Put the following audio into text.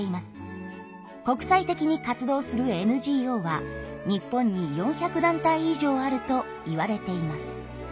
国際的に活動するＮＧＯは日本に４００団体以上あるといわれています。